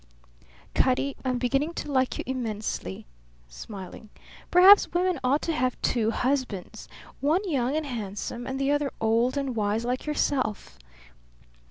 "Cutty, I'm beginning to like you immensely" smiling. "Perhaps women ought to have two husbands one young and handsome and the other old and wise like yourself."